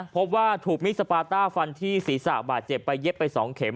พบว่าถูกมิดสปาต้าฟันที่ศีรษะบาดเจ็บไปเย็บไป๒เข็ม